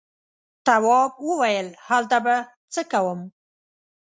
تواب وويل: هلته به څه کوم.